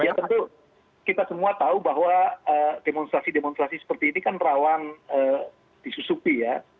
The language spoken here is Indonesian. ya tentu kita semua tahu bahwa demonstrasi demonstrasi seperti ini kan rawan disusupi ya